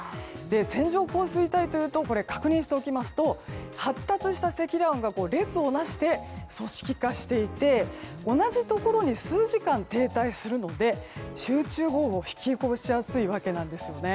線状降水帯というと確認しておきますと発達した積乱雲が列をなして組織化していて同じところに数時間停滞するので集中豪雨を引き起こしやすいわけなんですね。